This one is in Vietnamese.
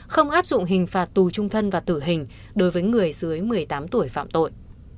không áp dụng hình phạt tù trung thân và tử hình đối với người dưới một mươi tám tuổi phạm tội